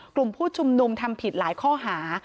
กลุ่มผู้ชุมนุมทำผิดหลายข้อหา